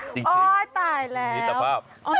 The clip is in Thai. จริงมิตรภาพมิตรภาพอ๋อตายแล้ว